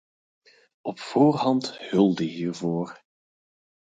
Op voorhand hulde hiervoor.